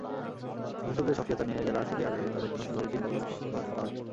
প্রশাসকদের সক্রিয়তা নিয়ে যারা আসলেই আগ্রহী, তাদেরকে নতুনভাবে চিন্তা করার কথা তোলা হছে।